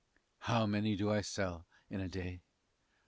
How many do I sell in a day?